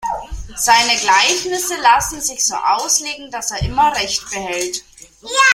Seine Gleichnisse lassen sich so auslegen, dass er immer Recht behält.